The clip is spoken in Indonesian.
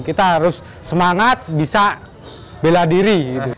kita harus semangat bisa bela diri